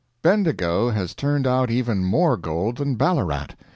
Bendigo has turned out even more gold than Ballarat.